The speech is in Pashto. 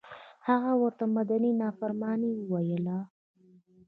هغه ورته مدني نافرماني وویله.